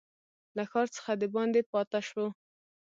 له ښار څخه دباندي پاته شو.